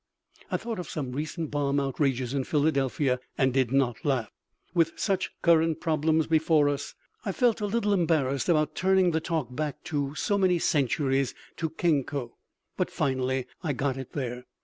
I thought of some recent bomb outrages in Philadelphia and did not laugh. With such current problems before us, I felt a little embarrassed about turning the talk back to so many centuries to Kenko, but finally I got it there.